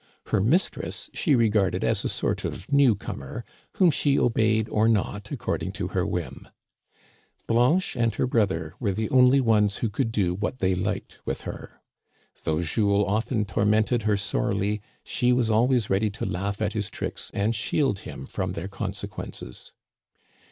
Her mistress she re garded as a sort of new comer, whom she obeyed or not according to her whim. Blanche and her brother were the only ones who could do what they liked with her. Though Jules often Digitized by VjOOQIC LOCHIEL AND BLANCHE. 237 tormented her sorely, she was always ready to laugh at his tricks and shield him from their consequences.